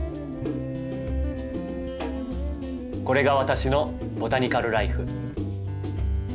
これが私の「ボタニカル・らいふ」。